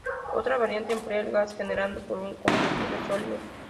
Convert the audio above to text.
Otra variante emplea el gas generado por un combustible sólido.